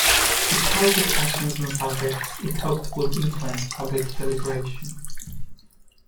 It held discussions on subjects it hoped would influence public deliberation.